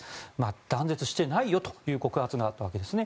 断絶していないよという告発があったわけですね。